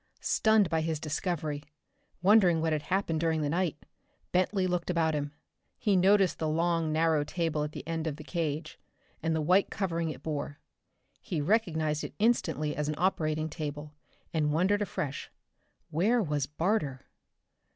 Stunned by his discovery, wondering what had happened during the night, Bentley looked about him. He noticed the long narrow table at the end of the cage, and the white covering it bore. He recognized it instantly as an operating table, and wondered afresh. Where was Barter?